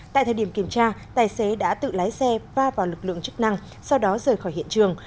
tại thời điểm kiểm tra tài xế đã tự lái xe va vào lực lượng chức năng sau đó rời khỏi hiện trường